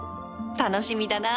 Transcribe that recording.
楽しみだな